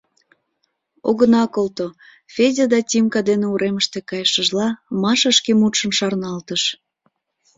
«Огына колто», - Федя да Тимка дене уремыште кайышыжла Маша шке мутшым шарналтыш.